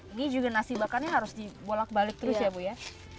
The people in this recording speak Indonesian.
ini juga nasi bakarnya harus dibolak balik terus ya bu ya